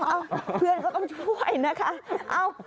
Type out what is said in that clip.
เพื่อนก็ต้องช่วยนะคะ